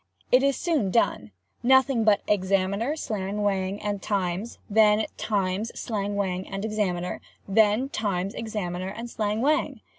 It is soon done—nothing but "Examiner," "Slang Whang," and "Times"—then "Times," "Slang Whang," and "Examiner"—and then "Times," "Examiner," and "Slang Whang."